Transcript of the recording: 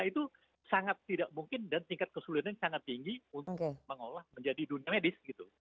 itu sangat tidak mungkin dan tingkat kesulitan sangat tinggi untuk mengolah menjadi dunia medis